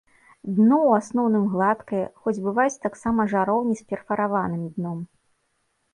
Дно ў асноўным гладкае, хоць бываюць таксама жароўні з перфараваным дном.